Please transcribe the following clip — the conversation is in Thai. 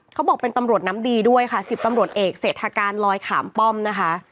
เขาบอกเป็นตำรวจน้ำดีด้วยค่ะ๑๐ตำรวจเอกเศรษฐการลอยขามป้อมนะคะ